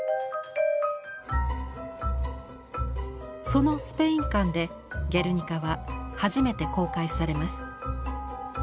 そのスペイン館で「ゲルニカ」は初めて公開されます。